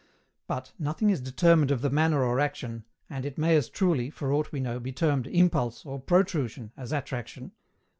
But, nothing is determined of the manner or action, and it may as truly (for aught we know) be termed "impulse," or "protrusion," as "attraction."